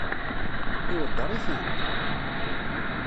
Iweddeṛ-itent?